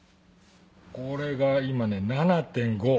これが今ね７．５。